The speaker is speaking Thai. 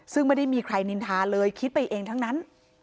ซึ่งไม่ได้มีใครนินทาเลยคิดไปเองทั้งนั้น